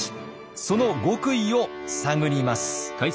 その極意を探ります。